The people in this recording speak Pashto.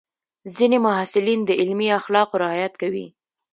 ځینې محصلین د علمي اخلاقو رعایت کوي.